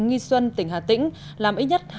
nghi xuân tỉnh hà tĩnh làm ít nhất